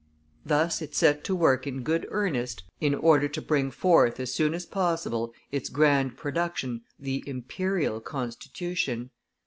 Thus it set to work in good earnest in order to bring forth, as soon as possible, its grand production, the "Imperial Constitution."